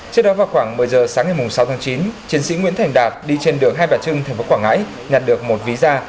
trước đó vào khoảng một mươi giờ sáng ngày sáu tháng chín chiến sĩ nguyễn thành đạt đi trên đường hai bà trưng thành phố quảng ngãi nhặt được một ví da